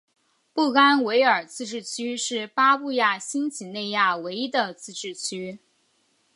布干维尔自治区是巴布亚新几内亚唯一的自治区。